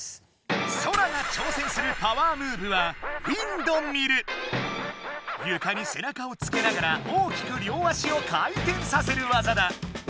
ソラがちょうせんするパワームーブはゆかに背中をつけながら大きく両足を回転させる技だ！